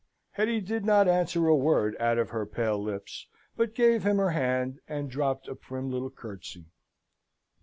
Hetty did not answer a word out of her pale lips, but gave him her hand, and dropped a prim little curtsey.